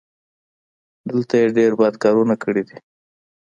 دلته یې ډېر بد کارونه کړي دي.